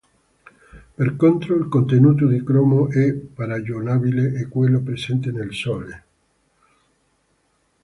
Per contro, il contenuto di cromo è paragonabile a quello presente nel Sole.